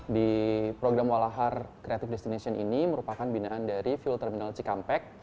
di program walahar creative destination ini merupakan binaan dari fuel terminal cikampek